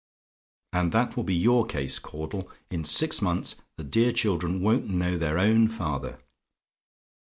And that will be your case, Caudle: in six months the dear children won't know their own father.